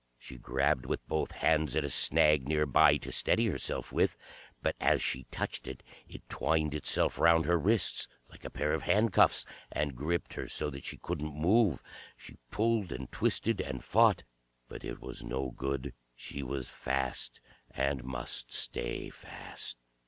She grabbed with both hands at a snag near by to steady herself with, but as she touched it, it twined itself round her wrists, like a pair of handcuffs, and gript her so that she couldn't move. She pulled and twisted and fought, but it was no good. She was fast, and must stay fast.